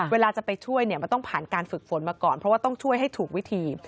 เวลาจะไปช่วยเนี่ยมันต้องผ่านการฝึกฝนมาก่อนเพราะว่าต้องช่วยให้ถูกวิธี